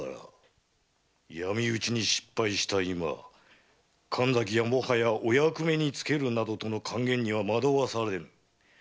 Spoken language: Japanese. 闇討ちに失敗した今神崎はもはやお役目に就けるなどとの甘言には惑わされぬ。